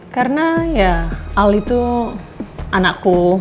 karena ya al itu anakku